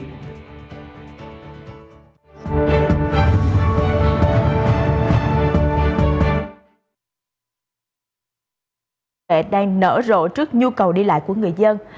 các đối tượng đang nở rộ trước nhu cầu đi lại của người dân